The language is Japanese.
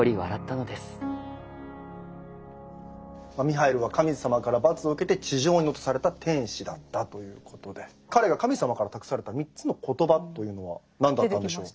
ミハイルは神様から罰を受けて地上に落とされた天使だったということで彼が神様から託された３つの言葉というのは何だったんでしょう？